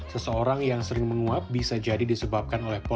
seseorang yang sering menguap bisa jadi disebabkan oleh